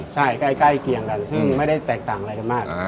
ใช่ใกล้เคียงกันซึ่งไม่ได้แตกต่างอะไรกันมาก